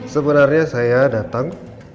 sebenarnya saya datang